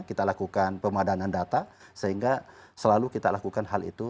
kita lakukan pemadanan data sehingga selalu kita lakukan hal itu